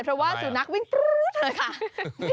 เพราะว่าสุนัขวิ่งปรู๊ดเลยค่ะ